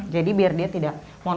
jadi biar dia tidak monoton